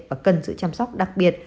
và cần sự chăm sóc đặc biệt